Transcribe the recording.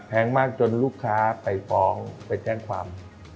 แพงมากจนลูกค้าไปฟ้องไปแจ้งความ